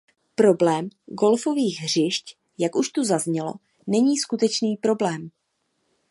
Problém golfových hřišť, jak už tu zaznělo, není skutečný problém.